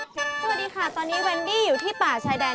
สวัสดีค่ะตอนนี้แวนดี้อยู่ที่ป่าชายแดน